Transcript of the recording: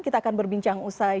kita akan berbincang usai